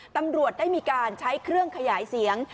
ตำรวจได้มีการใช้เครื่องขยายเสียง